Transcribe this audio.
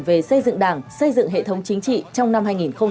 về xây dựng đảng xây dựng hệ thống chính trị trong năm hai nghìn hai mươi